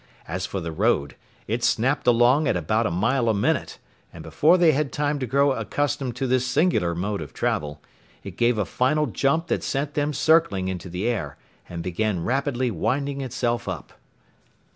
As for the road, it snapped along at about a mile a minute, and before they had time to grow accustomed to this singular mode of travel, it gave a final jump that sent them circling into the air, and began rapidly winding itself up.